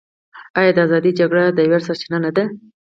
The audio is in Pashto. آیا د ازادۍ جګړې د ویاړ سرچینه نه ده؟